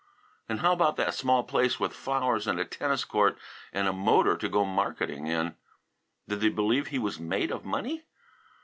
And how about that small place with flowers and a tennis court and a motor to go marketing in? Did they believe he was made of money?